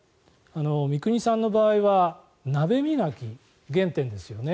三國さんの場合は鍋磨きが原点ですよね。